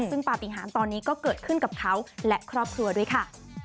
ซึ่งปฏิหารตอนนี้ก็เกิดขึ้นกับเขาและครอบครัวด้วยค่ะ